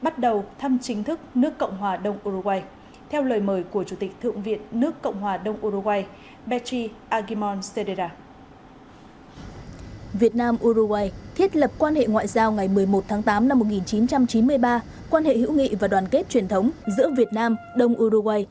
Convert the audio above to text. tại sao ngày một mươi một tháng tám năm một nghìn chín trăm chín mươi ba quan hệ hữu nghị và đoàn kết truyền thống giữa việt nam đông uruguay